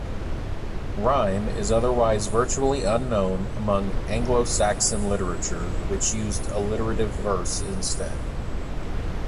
Rhyme is otherwise virtually unknown among Anglo-Saxon literature, which used alliterative verse instead.